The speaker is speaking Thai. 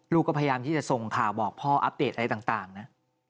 ก็พยายามที่จะส่งข่าวบอกพ่ออัปเดตอะไรต่างนะ